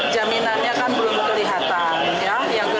jaminannya kan belum kelihatan